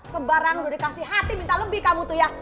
sebarang udah dikasih hati minta lebih kamu tuh ya